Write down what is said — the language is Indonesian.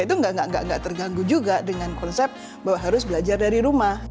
itu nggak terganggu juga dengan konsep bahwa harus belajar dari rumah